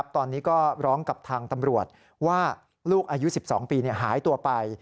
ตอนนี้ก็ร้องกับทางตำรวจว่าลูกอายุ๑๒ปีหายตัวไป